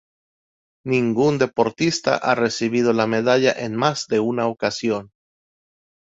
Ningún deportista ha recibido la medalla en más de una ocasión.